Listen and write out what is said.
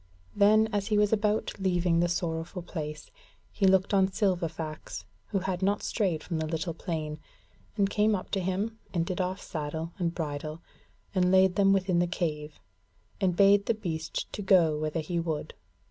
Then as he was about leaving the sorrowful place, he looked on Silverfax, who had not strayed from the little plain, and came up to him and did off saddle and bridle, and laid them within the cave, and bade the beast go whither he would.